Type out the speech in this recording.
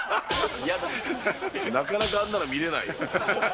なかなかあんなの見れないよ。